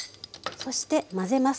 そして混ぜます。